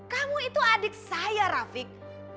kamu itu adik saya rafiq